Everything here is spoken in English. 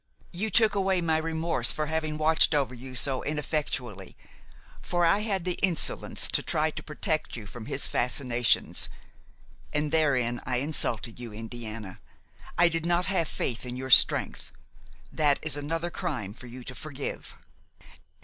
You took away my remorse for having watched over you so ineffectually; for I had the insolence to try to protect you from his fascinations; and therein I insulted you, Indiana. I did not have faith in your strength; that is another crime for you to forgive."